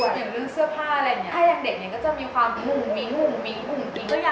อย่างเรื่องเพลสเสื้อผ้าอะไรอย่างเงี้ย